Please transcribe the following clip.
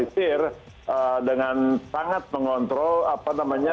cuman memang simbolnya